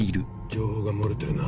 情報が漏れてるな。